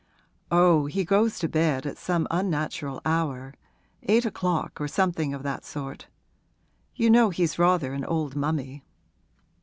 'Oh, he goes to bed at some unnatural hour eight o'clock or something of that sort. You know he's rather an old mummy.'